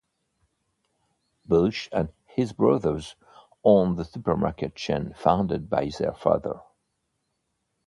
Busch and his brothers own the supermarket chain founded by their father.